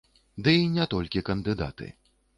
Ды і не толькі кандыдаты.